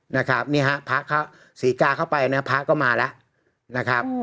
นะครับนี่ฮะพระศรีกาเข้าไปนะพระก็มาแล้วนะครับ